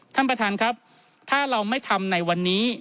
ท่านประธานครับถ้าเราไม่ทำในวันนี้